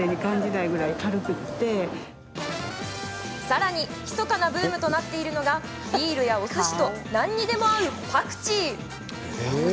さらにひそかなブームとなっているのがビールやおすしと何にでも合うパクチー。